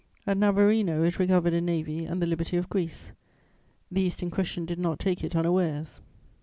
At Navarino, it recovered a navy and the liberty of Greece; the Eastern Question did not take it unawares.